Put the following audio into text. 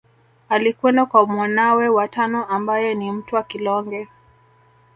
Alikwenda kwa mwanawe wa tano ambaye ni Mtwa Kilonge